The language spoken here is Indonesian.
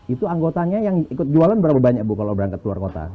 itu anggotanya yang ikut jualan berapa banyak bu kalau berangkat keluar kota